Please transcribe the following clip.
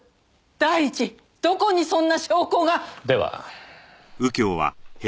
第一どこにそんな証拠が？では。